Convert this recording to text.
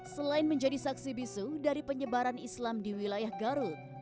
selain menjadi saksi bisu dari penyebaran islam di wilayah garut